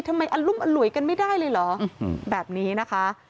อรุมอร่วยกันไม่ได้เลยเหรอแบบนี้นะคะ